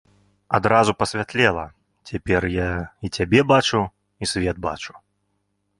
Адразу пасвятлела, цяпер я і цябе бачу, і свет бачу.